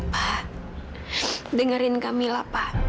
pak dengerin kamila pak